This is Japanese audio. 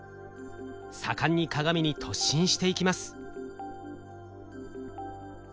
盛んに鏡に突進していきます。